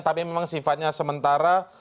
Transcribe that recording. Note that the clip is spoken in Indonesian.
tapi memang sifatnya sementara